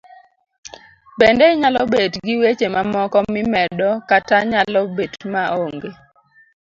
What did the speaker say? Bende inyalo bedo gi weche mamoko mimedo kata nyalo betma onge